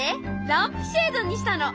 ランプシェードにしたの！